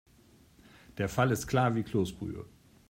Der Fall ist klar wie Kloßbrühe.